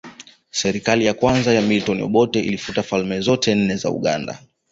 Serikali ya kwanza ya Milton Obote ilifuta falme zote nne za Uganda